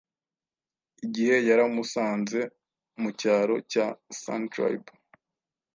igihe yaramusanze mucyaro cya San Tribe